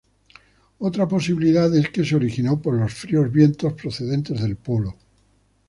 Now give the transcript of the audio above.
Otra posibilidad es que se originó por los fríos vientos procedentes del polo.